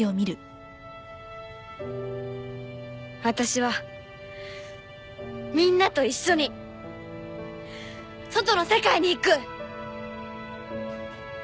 私はみんなと一緒に外の世界に行く！